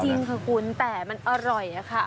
จริงค่ะคุณแต่มันอร่อยค่ะ